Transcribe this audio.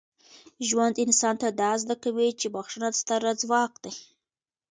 ژوند انسان ته دا زده کوي چي بخښنه ستره ځواک ده.